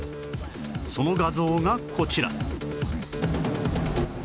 その画像がこちら